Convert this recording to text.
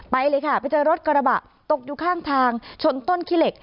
ไปเลยค่ะไปเจอรถกระบะตกอยู่ข้างทางชนต้นขี้เหล็ก